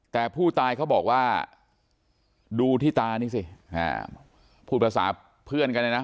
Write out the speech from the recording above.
แต่ผู้ตายเขาบอกว่าดูที่ตานี่สิพูดภาษาเพื่อนกันเลยนะ